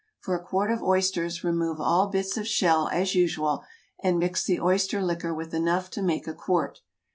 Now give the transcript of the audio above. For a quart of oysters, remove all bits of shell, as usual, and mix the oyster liquor with enough to make a quart.